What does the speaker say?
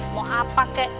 mau apa kek